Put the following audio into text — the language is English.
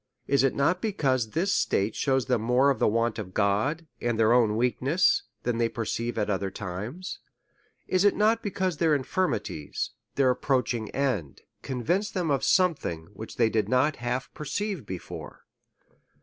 Is it not because this state shews them more of the want of God, and their own weak ness, than they perceive at other times? Is it not be cause their infirmities, their approaching end, con vince them of something, which they did not half per ceive before?